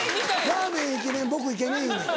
「ラーメンイケメン僕イケメン」言うねや。